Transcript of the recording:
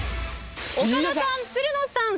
岡田さん